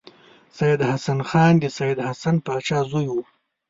سید حسن خان د سید حسین پاچا زوی و.